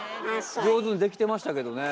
上手にできてましたけどね。